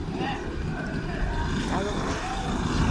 სწავლობდა ბერნის უნივერსიტეტში.